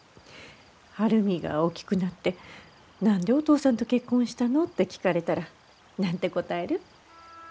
晴海が大きくなって「何でお父さんと結婚したの？」って聞かれたら何て答える？